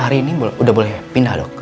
hari ini udah boleh pindah dong